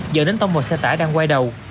dẫn đến tông một xe tải đang quay đầu